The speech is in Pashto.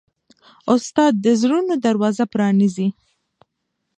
استاد د زړونو دروازه پرانیزي.